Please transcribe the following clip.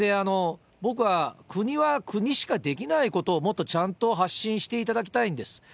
僕は国は国しかできないことをもっとちゃんと発信していただきたいんです。